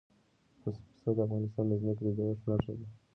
پسه د افغانستان د ځمکې د جوړښت نښه ده.